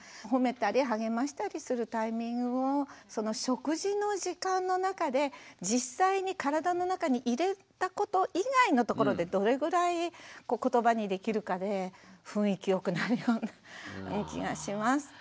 ほめたり励ましたりするタイミングをその食事の時間の中で実際に体の中に入れたこと以外のところでどれぐらい言葉にできるかで雰囲気よくなるような気がします。